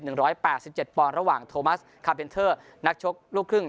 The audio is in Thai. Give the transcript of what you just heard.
ร้อยแปดสิบเจ็ดปอนด์ระหว่างโทมัสคาเบนเทอร์นักชกลูกครึ่ง